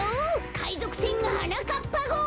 かいぞくせんはなかっぱごう！